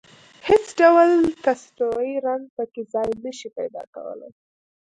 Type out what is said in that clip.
هېڅ ډول تصنعي رنګ په کې ځای نشي پيدا کولای.